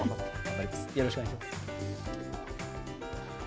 よろしくお願いします。